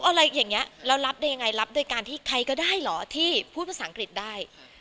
อะไรอย่างนี้แล้วรับได้ยังไงรับโดยการที่ใครก็ได้เหรอที่พูดภาษาอังกฤษได้